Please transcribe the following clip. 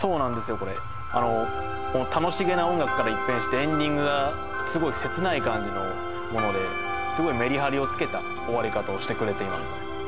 これ楽しげな音楽から一変してエンディングがすごい切ない感じのものですごいメリハリをつけた終わり方をしてくれています